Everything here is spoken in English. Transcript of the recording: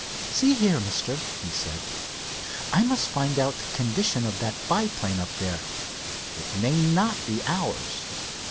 "See here, mister," he said, "I must find out the condition of that biplane up there. It may not be ours.